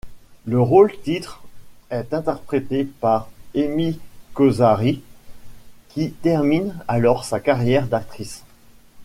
Le rôle-titre est interprété par Emmi Kosáry, qui termine alors sa carrière d'actrice.